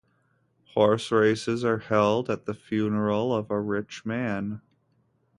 Horse races are held at the funeral of a rich man.